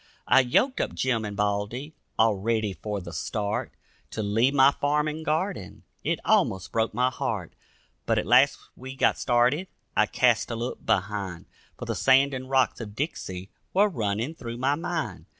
I yoked up Jim and Baldy, all ready for the start; To leave my farm and garden, it almost broke my heart; But at last we got started, I cast a look behind, For the sand and rocks of Dixie were running through my mind.